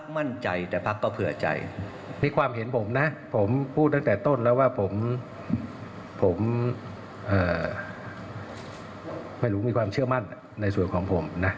มีความเชื่อมั่นในส่วนของผมนะ